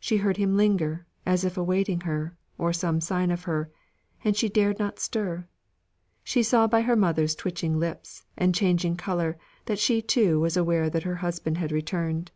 She heard him linger, as if awaiting her, or some sign of her; and she dared not stir; she saw by her mother's twitching lips, and changing colour, that she too was aware that her husband had returned.